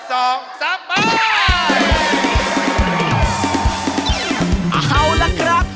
แล้วครับ